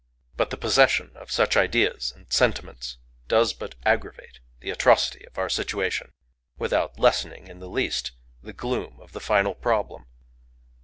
But the possession of such ideas and sentiments does but aggravate the atrocity of our situation, without lessening in the least the gloom of the final problem.